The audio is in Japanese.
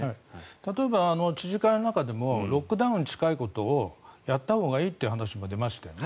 例えば知事会の中でもロックダウンに近いことをやったほうがいいという話も出ましたよね。